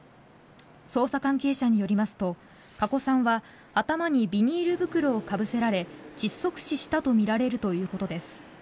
捜査関係者によりますと加古さんは頭にビニール袋をかぶせられ窒息死したとみられるということです。